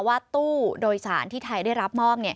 ว่าตู้โดยสารที่ไทยได้รับมอบ